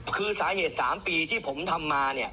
คือสาเหตุ๓ปีที่ผมทำมาเนี่ย